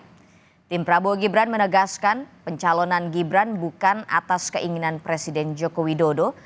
tim prabowo gibran menegaskan pencalonan gibran bukan atas keinginan presiden joko widodo